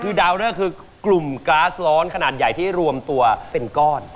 คือดาวเนอร์คือกลุ่มก๊าซร้อนขนาดใหญ่ที่รวมตัวเป็นก้อน